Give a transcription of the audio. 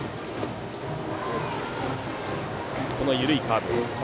緩いカーブ。